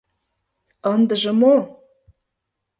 — Ындыже мо?